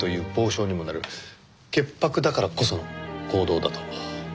潔白だからこその行動だと。